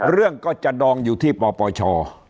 เรื่องก็จะดองอยู่ที่ปปช